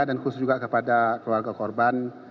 dan khusus juga kepada keluarga korban